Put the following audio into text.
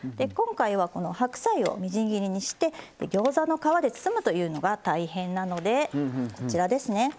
今回はこの白菜をみじん切りにしてギョーザの皮で包むというのが大変なのでこちらですね